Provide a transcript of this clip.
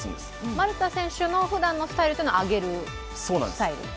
丸田選手のふだんのスタイルは上げるスタイル。